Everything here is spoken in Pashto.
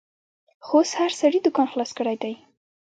خو اوس هر سړي دوکان خلاص کړیدی